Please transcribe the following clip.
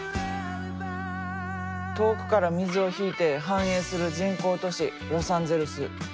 遠くから水を引いて繁栄する人工都市ロサンゼルス。